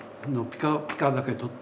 ピカだけ取って。